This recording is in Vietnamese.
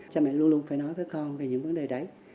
cha mẹ luôn luôn phải nói với con về những vấn đề đấy